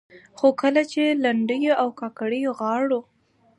خو کله چې لنډيو او کاکړيو غاړو